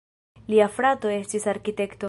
Lia frato estis arkitekto.